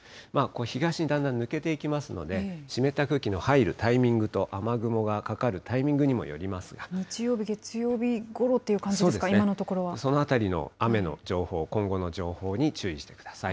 東にだんだん抜けていきますので、湿った空気の入るタイミングと雨雲がかかるタイミングにもよりま日曜日、月曜日ごろって感じそのあたりの雨の情報、今後の情報に注意してください。